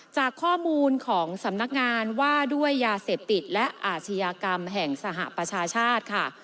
จากข้อมูลของสำนักงานว่าด้วยยาเสพติดและอาชญากรรมแห่งสหประชาชาติค่ะ